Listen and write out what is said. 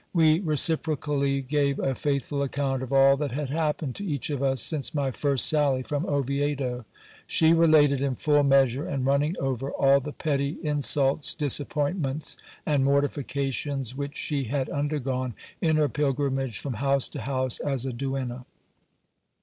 We reciprocally gave a faithful account of all that had hap pened to each of us, since my first sally from Oviedo. She related, in full measure and running over, all the petty insults, disappointments, and mortifi cations, which she had undergone in her pilgrimage from house to house as i duenna.